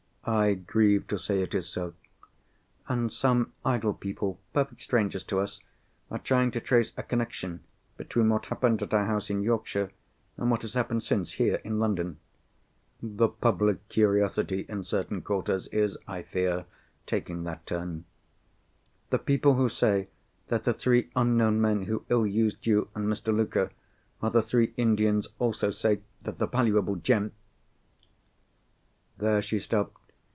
"I grieve to say, it is so." "And some idle people, perfect strangers to us, are trying to trace a connexion between what happened at our house in Yorkshire and what has happened since, here in London?" "The public curiosity, in certain quarters, is, I fear, taking that turn." "The people who say that the three unknown men who ill used you and Mr. Luker are the three Indians, also say that the valuable gem——" There she stopped.